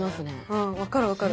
うん分かる分かる。